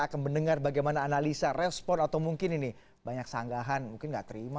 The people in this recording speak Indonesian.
akan mendengar bagaimana analisa respon atau mungkin ini banyak sanggahan mungkin nggak terima